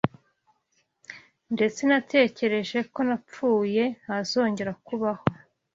ndetse natekereje ko napfuye ntazongera kubaho